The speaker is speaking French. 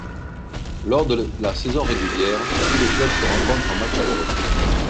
Lors de la saison régulière, tous les clubs se rencontrent en match aller-retour.